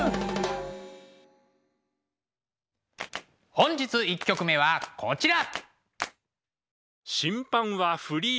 本日１曲目はこちら。